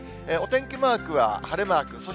お天気マークは晴れマーク。